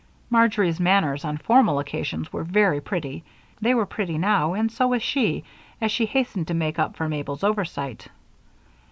Marjory's manners on formal occasions were very pretty; they were pretty now, and so was she, as she hastened to make up for Mabel's oversight.